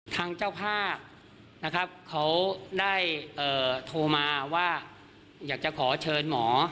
ทางเจ้าภาพนะครับเขาได้โทรมาว่าอยากจะขอเชิญหมอ